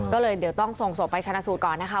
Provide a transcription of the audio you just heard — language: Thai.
ก็เลยเดี๋ยวต้องส่งศพไปชนะสูตรก่อนนะคะ